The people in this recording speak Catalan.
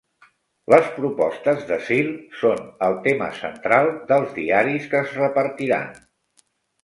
Les propostes d'asil són el tema central dels diaris que es repartiran